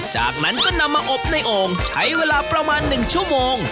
จากนั้นก็นำมาอบในโอ่งใช้เวลาประมาณ๑ชั่วโมง